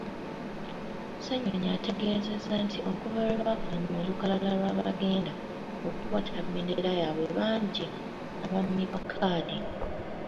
Ssenyonyi ategeezezza nti okuva lwebafulumya olukalala lw'abagenda okukwata bbendera yabwe bangi abammibwa kkaadi.